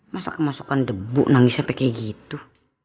masa kemasukan debu nangisnya sampai kaya gitu